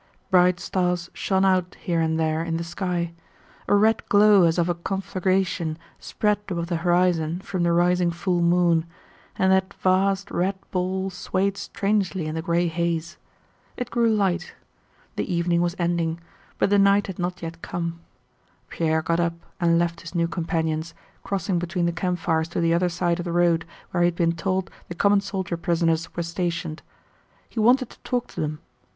Bright stars shone out here and there in the sky. A red glow as of a conflagration spread above the horizon from the rising full moon, and that vast red ball swayed strangely in the gray haze. It grew light. The evening was ending, but the night had not yet come. Pierre got up and left his new companions, crossing between the campfires to the other side of the road where he had been told the common soldier prisoners were stationed. He wanted to talk to them.